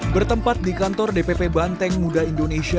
bertempat di kantor dpp banteng muda indonesia